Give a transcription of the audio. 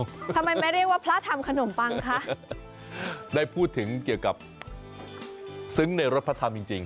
ทำไมไม่เรียกว่าพระทำขนมปังคะได้พูดถึงเกี่ยวกับซึ้งในรถพระธรรมจริงจริง